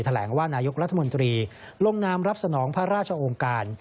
แหลงว่านายกรัฐมนตรีลงนามรับสนองพระราชองค์การ